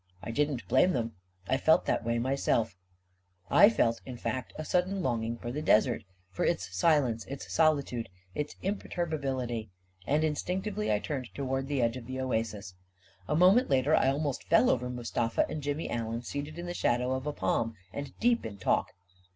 I didn't blame them — I felt that way myself 1 I felt, in fact, a sudden longing for the desert — 226 A KING IN BABYLON for its silence, its solitude, its imperturbability — and instinctively I turned toward the edge of the oasis. A moment later, I almost fell over Mustafa and Jimmy Allen, seated in the shadow of a palm and deep in talk.